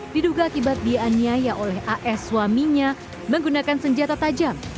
diduga akibat dianyaya oleh as suaminya menggunakan senjata tajam